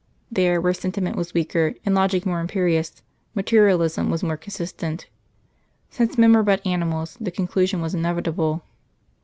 There, where sentiment was weaker, and logic more imperious, materialism was more consistent. Since men were but animals the conclusion was inevitable.